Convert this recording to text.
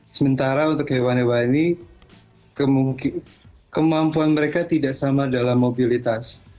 sementara untuk hewan hewan ini kemampuan mereka tidak sama dalam mobilitas